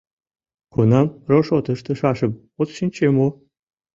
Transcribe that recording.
Кунам рошот ыштышашым от шинче мо?